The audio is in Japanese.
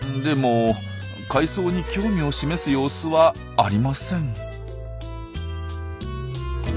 でも海藻に興味を示す様子はありません。